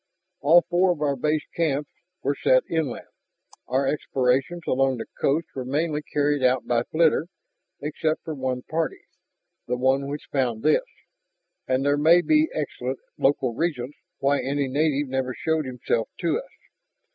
"All four of our base camps were set inland, our explorations along the coast were mainly carried out by flitter, except for one party the one which found this. And there may be excellent local reasons why any native never showed himself to us.